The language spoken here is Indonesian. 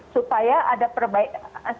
supaya ada perbaikan